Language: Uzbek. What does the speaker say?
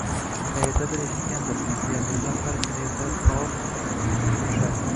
Qayerdadir eshitgandim, "Millionerlar har kuni ertalab soat - da turisharkan.